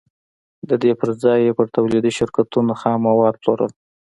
د دې پر ځای يې پر توليدي شرکتونو خام پولاد پلورل.